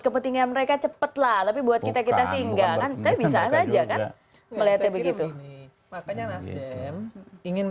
kepentingan mereka cepet lah tapi buat kita kita singgah kan bisa saja kan melihatnya begitu ingin